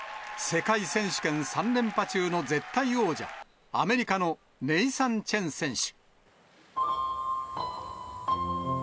世界選手権３連覇中の絶対王者、アメリカのネイサン・チェン選手。